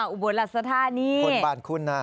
อุบวนหลักสถานีคนบาลคุณนะ